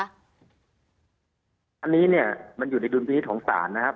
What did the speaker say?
อันนี้เนี่ยมันอยู่ในดุลพินิษฐ์ของศาลนะครับ